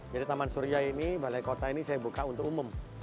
jadi taman surya ini balai kota ini saya buka untuk umum